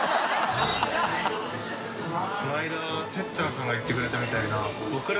このあいだてっちゃんさんが言ってくれたみたいな田村）